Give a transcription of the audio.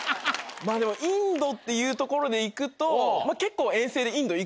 インドっていうところで行くと結構。